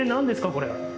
これ。